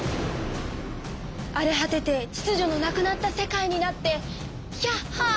あれ果ててちつじょのなくなった世界になってヒャッハー！